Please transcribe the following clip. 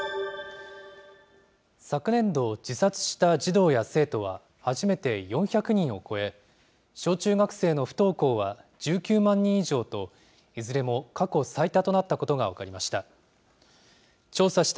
昨年度、自殺した児童や生徒は、初めて４００人を超え、小中学生の不登校は１９万人以上と、いずれも過去最多となったことが分かりました。